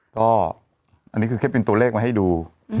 ก็อันนี้คือแค่เป็นตัวเลขมาให้ดู